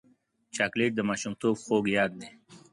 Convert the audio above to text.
چاکلېټ د ماشومتوب خوږ یاد دی.